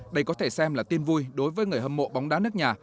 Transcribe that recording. đây có thể xem là tin vui đối với người hâm mộ bóng đá nước nhà